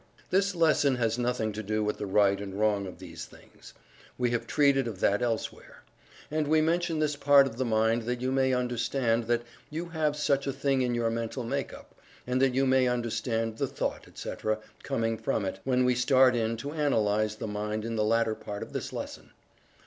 This lesson has nothing to do with the right and wrong of these things (we have treated of that elsewhere) and we mention this part of the mind that you may understand that you have such a thing in your mental make up, and that you may understand the thought, etc., coming from it, when we start in to analyze the mind in the latter part of this lesson.